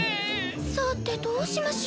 さてどうしましょ。